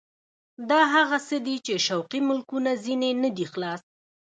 دا هغه څه دي چې شرقي ملکونه ځنې نه دي خلاص.